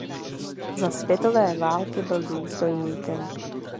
Za světové války byl důstojníkem.